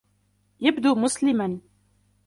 يبدو مسلما.